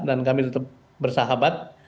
dan kami tetap bersahabat